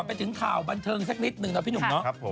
ไปถึงข่าวบันเทิงสักนิดนึงนะพี่หนุ่มเนาะ